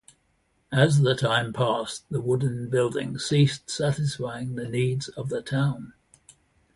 As the time passed, the wooden building ceased satisfying the needs of the town.